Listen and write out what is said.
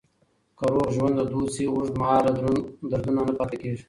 که روغ ژوند دود شي، اوږدمهاله دردونه نه پاتې کېږي.